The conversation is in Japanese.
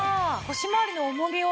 腰まわりの重みを。